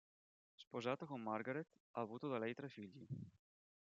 Sposato con Margaret, ha avuto da lei tre figli.